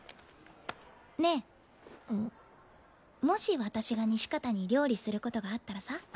もし私が西片に料理することがあったらさ。